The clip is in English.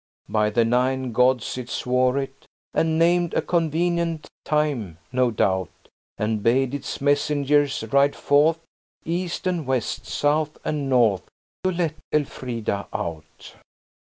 By the nine gods it swore it And named a convenient time, no doubt, And bade its messengers ride forth East and West, South and North, To let Elfrida out.'"